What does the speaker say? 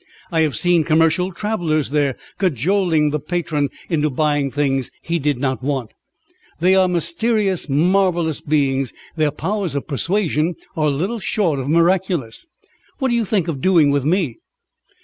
I have seen commercial travellers there, cajoling the patron into buying things he did not want. They are mysterious, marvellous beings, their powers of persuasion are little short of miraculous. What do you think of doing with me?"